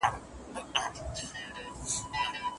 زوړ ساعت تر نوي ساعت ډېر ارزښت درلود.